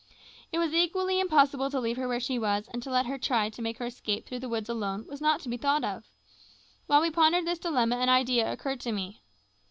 It was equally impossible to leave her where she was, and to let her try to make her escape through the woods alone was not to be thought of. While we pondered this dilemma an idea occurred to me.